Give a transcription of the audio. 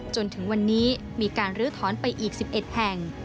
จนถึงวันนี้มีการรื้อถอนไปอีกสิบเอ็ดแห่ง